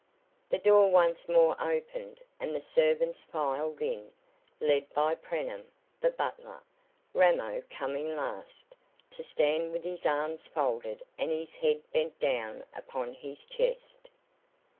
The door once more opened, and the servants filed in, led by Preenham, the butler, Ramo coming last, to stand with his arms folded and his head bent down upon his chest.